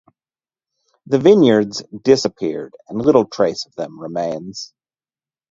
The vineyards disappeared, and little trace of them remains.